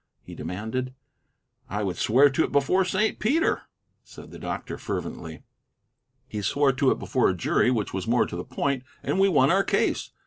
he demanded. "I would swear to it before Saint Peter," said the doctor, fervently. He swore to it before a jury, which was more to the point, and we won our case.